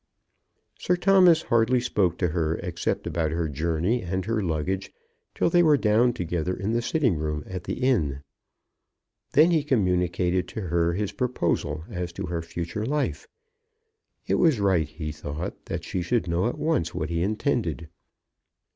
] Sir Thomas hardly spoke to her except about her journey and her luggage till they were down together in the sitting room at the inn. Then he communicated to her his proposal as to her future life. It was right, he thought, that she should know at once what he intended.